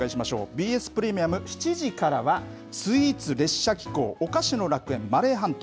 ＢＳプレミアム、７時からは、スイーツ列車紀行お菓子の楽園マレー半島。